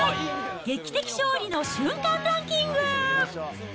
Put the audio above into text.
劇的勝利の瞬間ランキング。